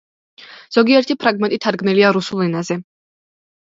ზოგიერთი ფრაგმენტი თარგმნილია რუსულ ენაზე.